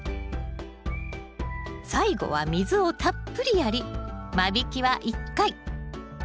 最後は水をたっぷりやり間引きは１回。